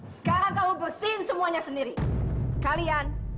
sekarang kau bersin semuanya sendiri kalian